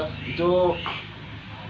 jadi kalau untuk bekal